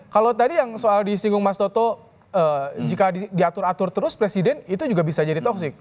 kalau tadi yang soal disinggung mas toto jika diatur atur terus presiden itu juga bisa jadi toxic